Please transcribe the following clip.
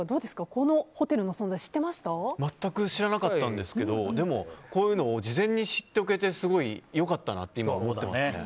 こういうホテルの存在全く知らなかったんですけどでも、こういうのを事前に知っておけてすごい良かったなって今、思ってますね。